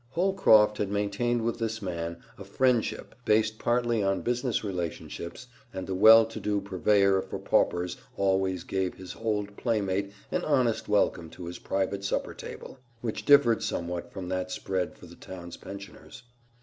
Holcroft had maintained with this man a friendship based partly on business relations, and the well to do purveyor for paupers always gave his old playmate an honest welcome to his private supper table, which differed somewhat from that spread for the town's pensioners.